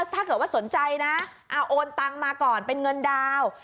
ถ้าเกิดว่าสนใจนะโอนตังมาก่อนเป็นเงินดาว